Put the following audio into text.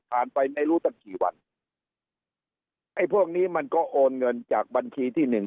ไปไม่รู้ตั้งกี่วันไอ้พวกนี้มันก็โอนเงินจากบัญชีที่หนึ่ง